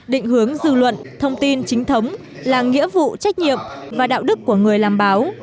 định hướng dư luận thông tin chính thống là nghĩa vụ trách nhiệm và đạo đức của người làm báo